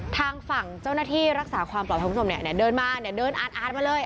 ทางฝั่งเจ้าหน้าที่รักษาความปลอดภัยคุณผู้ชมเนี่ยเดินมาเนี่ยเดินอาดมาเลย